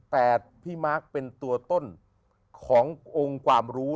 แต่พี่มาร์คเป็นตัวต้นขององค์ความรู้